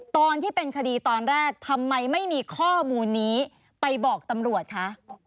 ตอนที่เป็นคดีตอนแรกทำไมไม่มีข้อมูลนี้ไปบอกตำรวจคะ